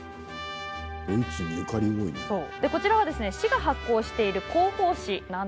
こちらは市が発行している広報誌。